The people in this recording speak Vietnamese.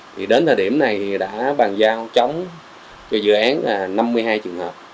thì đến thời điểm này thì đã bàn giao chống cho dự án là năm mươi hai trường hợp